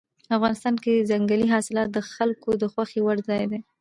افغانستان کې ځنګلي حاصلات د خلکو د خوښې وړ ځای دی.